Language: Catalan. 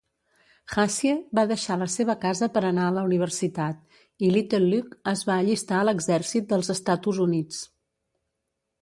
Hassie va deixar la seva casa per anar a la universitat, i Little Luke es va allistar a l'exèrcit dels Estatus Units.